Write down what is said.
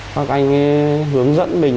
hoặc anh hướng dẫn mình